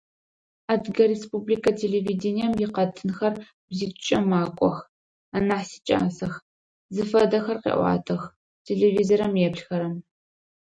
Адыгэ республикэ телевидением икъэтынхэр бзитӀукӀэ макӀох, анахь сикӀасэх, зыфэдэхэр къеӀуатэх, телевизорым еплъыхэрэм.